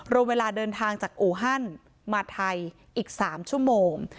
รวมเวลาเดินทางจากอูฮันมาไทยอีก๓ชั่วโมง